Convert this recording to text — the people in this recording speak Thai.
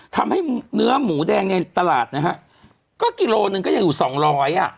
ทำให้เนื้อหมูแดงในตลาดนะฮะก็กิโลหนึ่งก็ยังอยู่สองร้อยอ่ะ